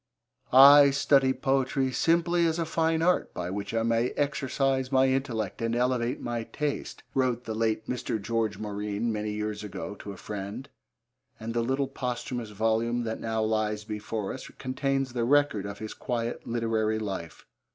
'I study Poetry simply as a fine art by which I may exercise my intellect and elevate my taste,' wrote the late Mr. George Morine many years ago to a friend, and the little posthumous volume that now lies before us contains the record of his quiet literary life.